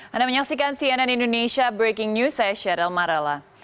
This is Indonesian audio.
anda menyaksikan cnn indonesia breaking news saya sheryl marala